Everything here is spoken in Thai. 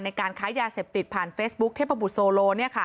ในการค้ายาเสพติดผ่านเฟซบุ๊คเทพบุตรโซโล